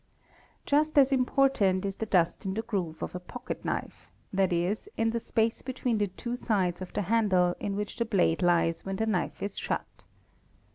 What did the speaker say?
Just as important is the dust in the groove of a pocket knife, ¢.e., in the space between the two sides of the handle in which the blade lies ' when the knife is shut.